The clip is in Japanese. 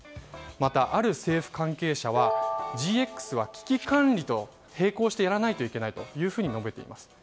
また、ある政府関係者はＧＸは危機管理と並行してやらないといけないと述べています。